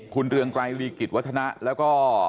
คุณเรืองไกรลีกิจวัฒนะแล้วก็